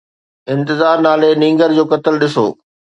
انتظار نالي نينگر جو قتل ڏسو.